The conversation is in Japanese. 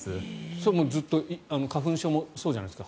それはずっと花粉症もそうじゃないですか。